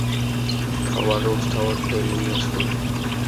მთავარ როლს თავად ფელინი ასრულებს.